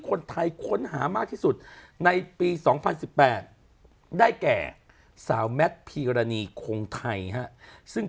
คนไทยค้นหามากที่สุดในปี๒๐๑๘ได้แก่สาวแมทพีรณีคงไทยฮะซึ่ง